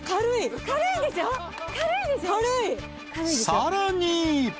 ［さらに］